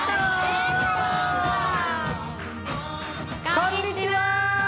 こんにちは！